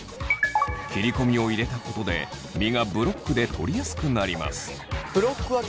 切り込みを入れたことで身がブロックで取りやすくなります。